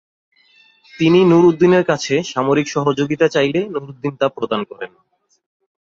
তিনি নুরউদ্দিনের কাছে সামরিক সহযোগিতা চাইলে নুরউদ্দিন তা প্রদান করেন।